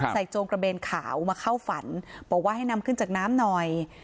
โจงกระเบนขาวมาเข้าฝันบอกว่าให้นำขึ้นจากน้ำหน่อย